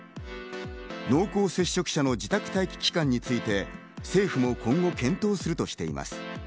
濃厚接触者の自宅待機期間について、政府も今後、検討するとしています。